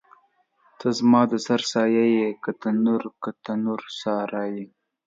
ته زما د سر سایه یې که تنور، تنور سارا یې